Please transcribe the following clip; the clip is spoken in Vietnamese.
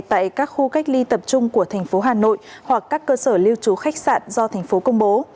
tại các khu cách ly tập trung của tp hcm hoặc các cơ sở lưu trú khách sạn do tp hcm công bố